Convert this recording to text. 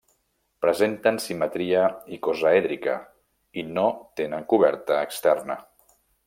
Presenten simetria icosaèdrica i no tenen coberta externa.